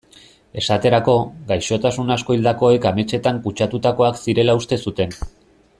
Esaterako, gaixotasun asko hildakoek ametsetan kutsatutakoak zirela uste zuten.